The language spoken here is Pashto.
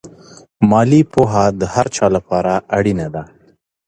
مالي پوهه د هر چا لپاره اړینه ده.